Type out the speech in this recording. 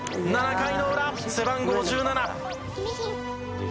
７回の裏、背番号１７。